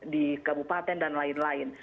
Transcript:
di kabupaten dan lain lain